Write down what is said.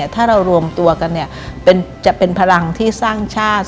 ถ้าเรารวมตัวกันจะเป็นพลังที่สร้างชาติ